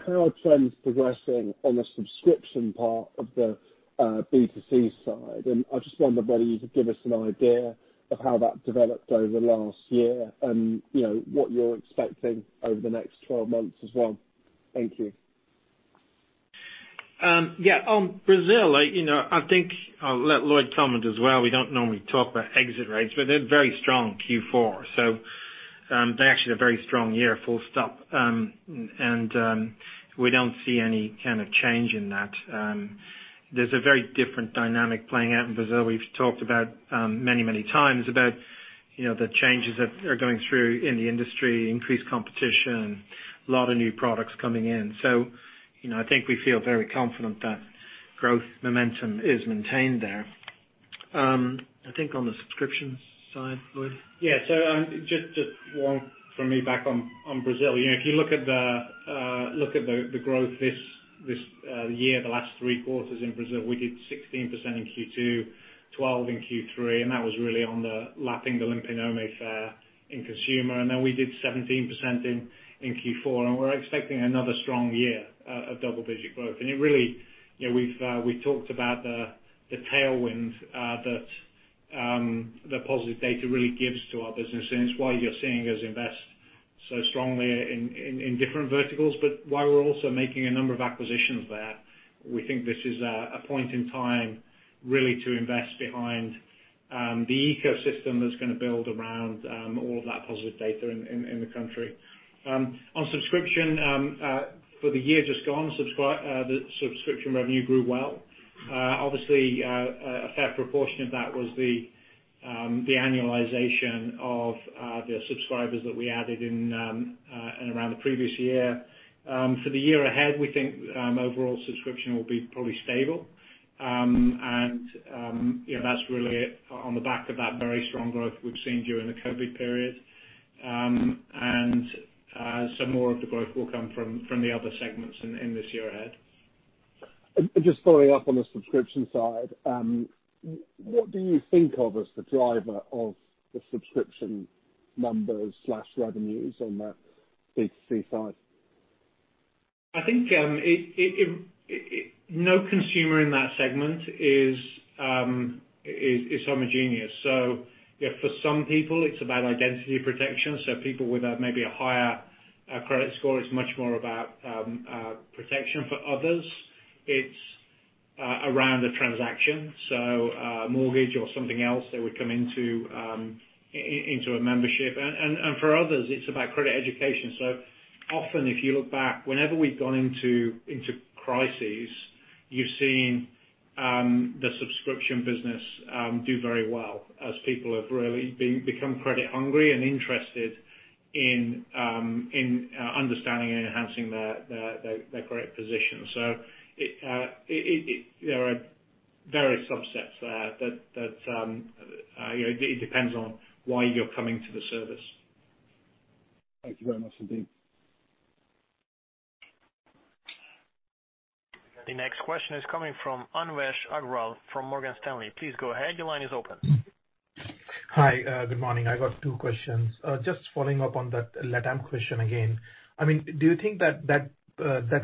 How are trends progressing on the subscription part of the B2C side? I just wonder whether you could give us an idea of how that developed over the last year and, you know, what you're expecting over the next 12 months as well. Thank you. Yeah, on Brazil, like, you know, I think I'll let Lloyd comment as well. We don't normally talk about exit rates, but they're very strong in Q4, so they actually had a very strong year, full stop. We don't see any kind of change in that. There's a very different dynamic playing out in Brazil. We've talked about many, many times about, you know, the changes that are going through in the industry, increased competition, a lot of new products coming in. You know, I think we feel very confident that growth momentum is maintained there. I think on the subscriptions side, Lloyd. Just one from me back on Brazil. You know, if you look at the growth this year, the last three quarters in Brazil, we did 16% in Q2, 12% in Q3, and that was really on the lapping the Limpa Nome effect in Consumer. We did 17% in Q4, and we're expecting another strong year of double-digit growth. It really, you know, we talked about the tailwind that the positive data really gives to our business. It's why you're seeing us invest so strongly in different verticals, but why we're also making a number of acquisitions there. We think this is a point in time really to invest behind the ecosystem that's gonna build around all of that positive data in the country. On subscription for the year just gone, the subscription revenue grew well. Obviously, a fair proportion of that was the annualization of the subscribers that we added in and around the previous year. For the year ahead, we think overall subscription will be probably stable. You know, that's really on the back of that very strong growth we've seen during the COVID period. Some more of the growth will come from the other segments in this year ahead. Just following up on the subscription side, what do you think of as the driver of the subscription numbers/revenues on the B2C side? I think no consumer in that segment is homogeneous. You know, for some people it's about identity protection. People with maybe a higher credit score, it's much more about protection. For others, it's around a transaction, so mortgage or something else that would come into a membership. For others, it's about credit education. Often, if you look back, whenever we've gone into crises, you've seen the subscription business do very well as people have really become credit hungry and interested in understanding and enhancing their credit position. There are various subsets there that you know, it depends on why you're coming to the service. Thank you very much indeed. The next question is coming from Anvesh Agrawal from Morgan Stanley. Please go ahead. Your line is open. Hi. Good morning. I've got two questions. Just following up on that LatAm question again. I mean, do you think that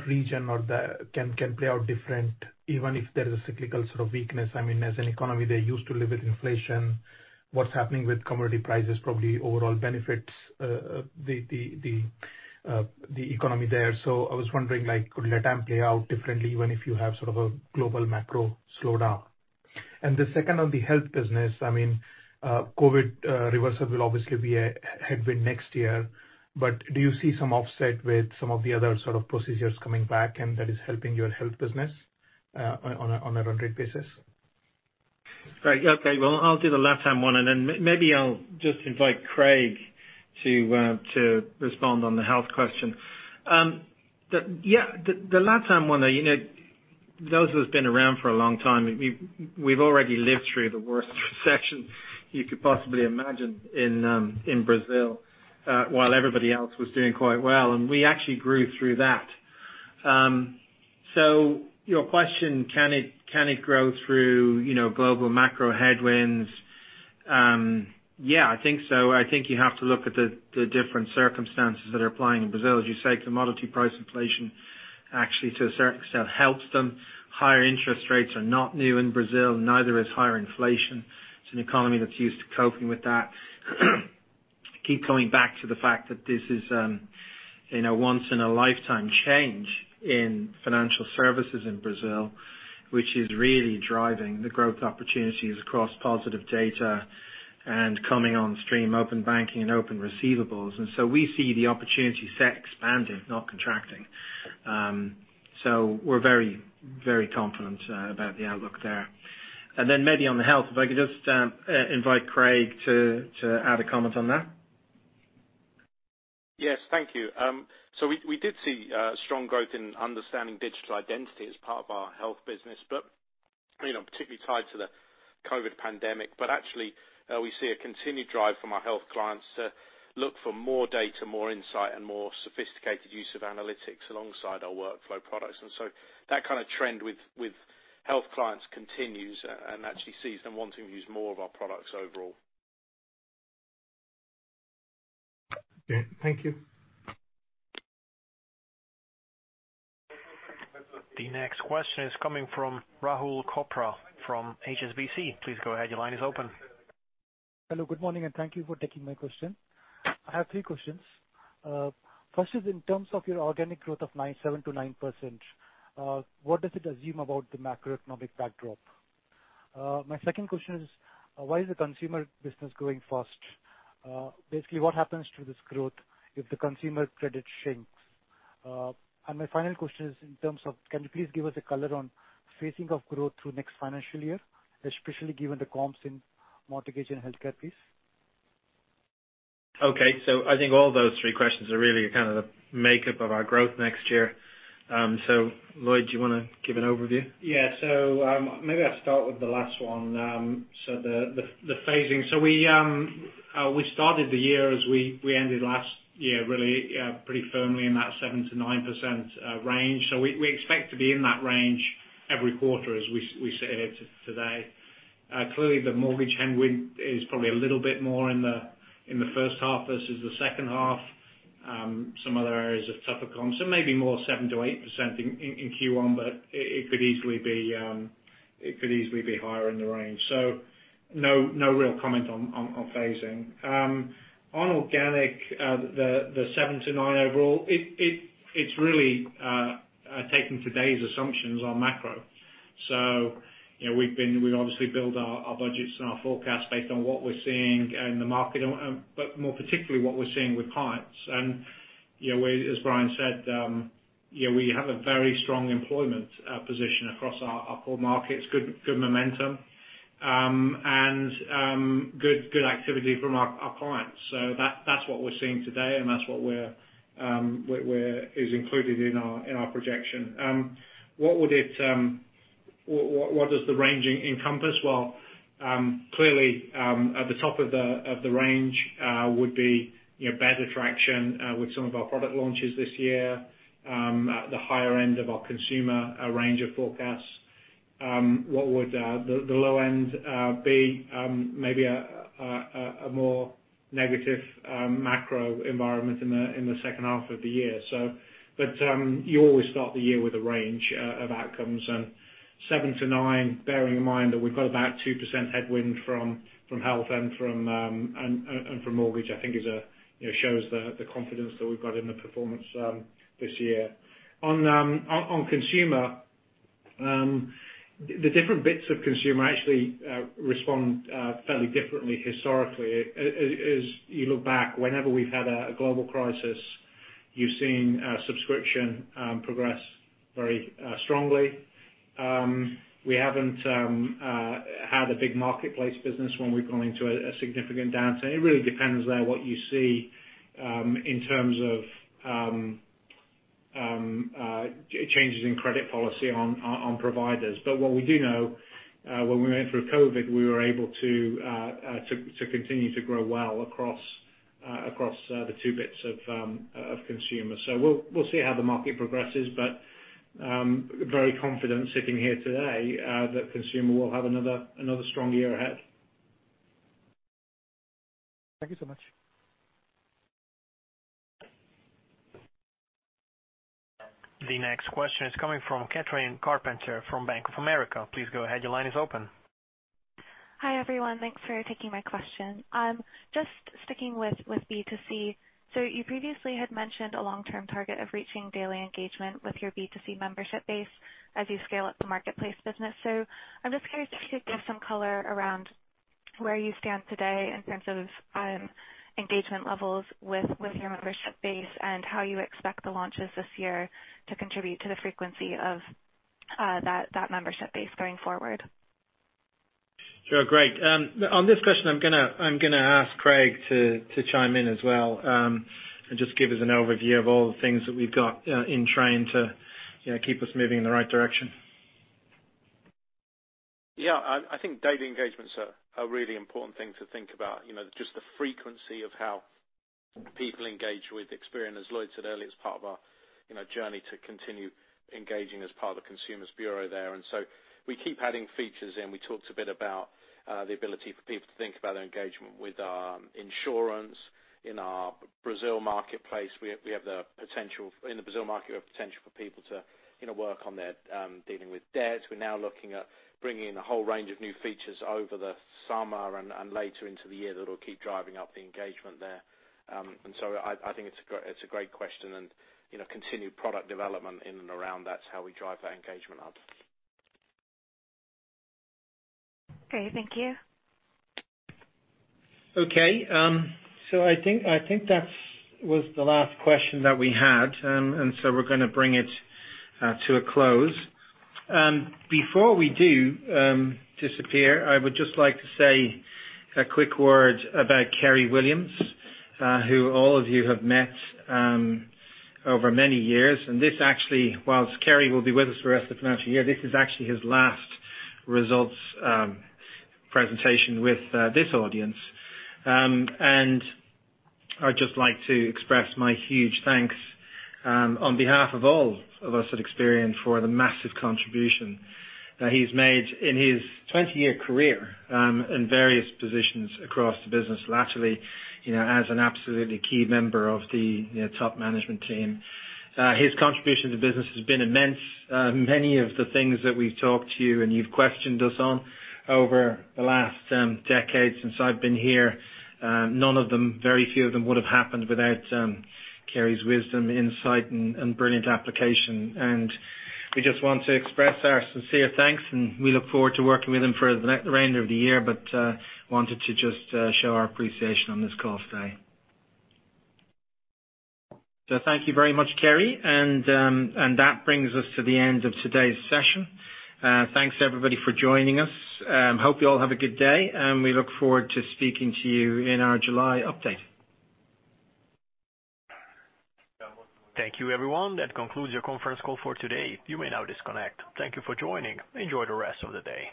region can play out different even if there is a cyclical sort of weakness? I mean, as an economy, they're used to living with inflation. What's happening with commodity prices probably overall benefits the economy there. So I was wondering, like, could LatAm play out differently even if you have sort of a global macro slowdown? The second on the Health business. I mean, COVID reversal will obviously be a headwind next year, but do you see some offset with some of the other sort of procedures coming back, and that is helping your Health business on a run rate basis? Great. Okay. Well, I'll do the LatAm one, and then maybe I'll just invite Craig to respond on the Health question. Yeah, the LatAm one, you know, this has been around for a long time. We've already lived through the worst recession you could possibly imagine in Brazil while everybody else was doing quite well, and we actually grew through that. Your question, can it grow through global macro headwinds? Yeah, I think so. I think you have to look at the different circumstances that are applying in Brazil. As you say, commodity price inflation, actually to a certain extent, helps them. Higher interest rates are not new in Brazil, neither is higher inflation. It's an economy that's used to coping with that. Keep coming back to the fact that this is, you know, once in a lifetime change in financial services in Brazil, which is really driving the growth opportunities across positive data and coming on stream, open banking and open receivables. We see the opportunity set expanding, not contracting. We're very, very confident about the outlook there. Maybe on the Health, if I could just invite Craig to add a comment on that. Yes, thank you. We did see strong growth in understanding digital identity as part of our Health business, but you know, particularly tied to the COVID pandemic. Actually, we see a continued drive from our Health clients to look for more data, more insight, and more sophisticated use of analytics alongside our workflow products. That kind of trend with Health clients continues and actually sees them wanting to use more of our products overall. Thank you. The next question is coming from Rahul Chopra from HSBC. Please go ahead. Your line is open. Hello, good morning, and thank you for taking my question. I have three questions. First is in terms of your organic growth of 7%-9%, what does it assume about the macroeconomic backdrop? My second question is, why is the Consumer business growing fast? Basically, what happens to this growth if the consumer credit shrinks? My final question is in terms of can you please give us a color on phasing of growth through next financial year, especially given the comps in mortgage and healthcare, please? Okay. I think all those three questions are really kind of the makeup of our growth next year. Lloyd, do you wanna give an overview? Yeah. Maybe I'll start with the last one. The phasing. We started the year as we ended last year really pretty firmly in that 7%-9% range. We expect to be in that range every quarter as we sit here today. Clearly, the mortgage headwind is probably a little bit more in the first half versus the second half. Some other areas of tougher comps. Maybe more 7%-8% in Q1, but it could easily be higher in the range. No real comment on phasing. On organic, the 7%-9% overall, it's really taking today's assumptions on macro. We obviously build our budgets and our forecast based on what we're seeing in the market, but more particularly what we're seeing with clients. As Brian said, we have a very strong employment position across our core markets, good momentum, and good activity from our clients. That's what we're seeing today, and that's what is included in our projection. What does the range encompass? Clearly, at the top of the range would be better traction with some of our product launches this year, at the higher end of our Consumer range of forecasts. What would the low end be? Maybe a more negative macro environment in the second half of the year. You always start the year with a range of outcomes. 7%-9%, bearing in mind that we've got about 2% headwind from Health and from Mortgage, I think, you know, shows the confidence that we've got in the performance this year. On Consumer, the different bits of Consumer actually respond fairly differently historically. As you look back, whenever we've had a global crisis, you've seen subscription progress very strongly. We haven't had a big marketplace business when we've gone into a significant downturn. It really depends there what you see, in terms of, changes in credit policy on providers. What we do know, when we went through COVID, we were able to continue to grow well across the two bits of Consumer. We'll see how the market progresses, but very confident sitting here today, that Consumer will have another strong year ahead. Thank you so much. The next question is coming from Catheryn Carpenter from Bank of America. Please go ahead. Your line is open. Hi, everyone. Thanks for taking my question. Just sticking with B2C. You previously had mentioned a long-term target of reaching daily engagement with your B2C membership base as you scale up the Marketplace business. I'm just curious if you could give some color around where you stand today in terms of engagement levels with your membership base and how you expect the launches this year to contribute to the frequency of that membership base going forward. Sure. Great. On this question, I'm gonna ask Craig to chime in as well, and just give us an overview of all the things that we've got in train to, you know, keep us moving in the right direction. Yeah. I think daily engagements are a really important thing to think about. You know, just the frequency of how people engage with Experian, as Lloyd said earlier, is part of our, you know, journey to continue engaging as part of the consumers bureau there. We keep adding features in. We talked a bit about the ability for people to think about their engagement with insurance. In our Brazil marketplace, we have the potential in the Brazil market, we have potential for people to, you know, work on their dealing with debt. We're now looking at bringing in a whole range of new features over the summer and later into the year that'll keep driving up the engagement there. I think it's a great question, you know, continued product development in and around. That's how we drive that engagement up. Great. Thank you. Okay. I think that's was the last question that we had. We're gonna bring it to a close. Before we disappear, I would just like to say a quick word about Kerry Williams, who all of you have met over many years. This actually, while Kerry will be with us for the rest of the financial year, this is actually his last results presentation with this audience. I'd just like to express my huge thanks on behalf of all of us at Experian for the massive contribution that he's made in his 20-year career in various positions across the business, laterally, you know, as an absolutely key member of the top management team. His contribution to the business has been immense. Many of the things that we've talked to you and you've questioned us on over the last decade since I've been here, none of them, very few of them would have happened without Kerry's wisdom, insight, and brilliant application. We just want to express our sincere thanks, and we look forward to working with him for the remainder of the year, but wanted to just show our appreciation on this call today. Thank you very much, Kerry. That brings us to the end of today's session. Thanks everybody for joining us. Hope you all have a good day, and we look forward to speaking to you in our July update. Thank you, everyone. That concludes your conference call for today. You may now disconnect. Thank you for joining. Enjoy the rest of the day.